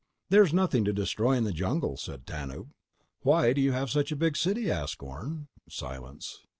"There is nothing to destroy in the jungle," said Tanub. "Why do you have such a big city?" asked Orne. Silence.